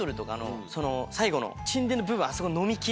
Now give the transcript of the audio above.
沈殿の部分あそこ。